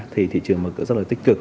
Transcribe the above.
thì thị trường mở cửa rất là tích cực